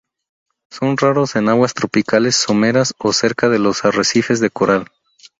Son raros en aguas tropicales someras o cerca de los arrecifes de coral.